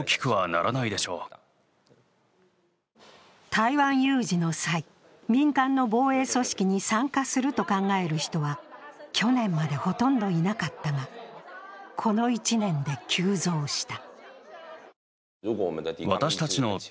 台湾有事の際、民間の防衛組織に参加すると考える人は去年まで、ほとんどいなかったが、この１年で急増した。